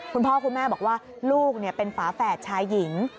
คุณพ่อคุณแม่บอกว่าลูกเป็นฝาแฝดชายหญิง